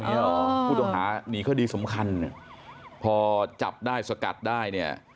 คุณต้องหานีเครื่องดีสำคัญพอจับได้สกัดได้เนี้ย